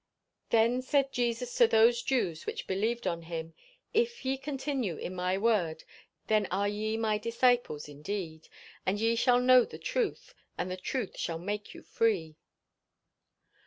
"'Then said Jesus to those Jews which believed on him, If ye continue in my word, then are ye my disciples indeed; and ye shall know the truth, and the truth shall make you free.'"